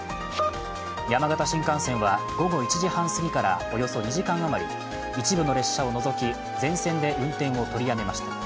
山形新幹線は午後１時半過ぎからおよそ２時間余り、一部の列車を除き全線で運転を取りやめました